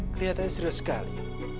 kelihatannya serius sekali